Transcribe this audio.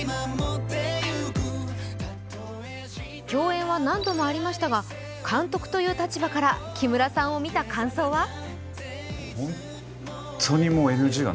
共演は何度もありましたが監督という立場から木村さんを見た感想は？